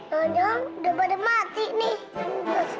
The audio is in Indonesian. kadang udah pada mati nih